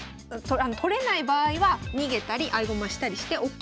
取れない場合は逃げたり合駒したりしてＯＫということで。